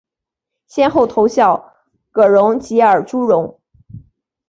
先后投效葛荣及尔朱荣。